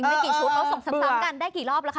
แล้วก็จะส่งกันซ้ำได้กี่รอบแล้ว